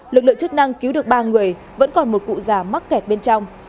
lực lượng chức năng cứu được ba người vẫn còn một cụ già mắc kẹt bên trong